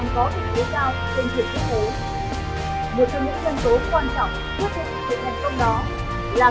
trong thập niên gần đây